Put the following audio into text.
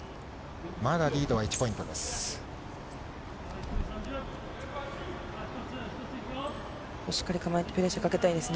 まだリードは１ポイントです。